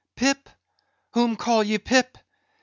"Pip? whom call ye Pip?